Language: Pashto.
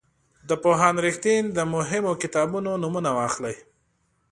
د پوهاند رښتین د مهمو کتابونو نومونه واخلئ.